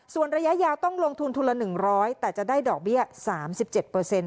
ส่วนระยะยาวต้องลงทุนทุนละ๑๐๐แต่จะได้ดอกเบี้ย๓๗เปอร์เซ็นต